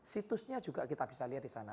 situsnya juga kita bisa lihat di sana